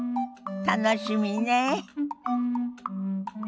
楽しみねえ。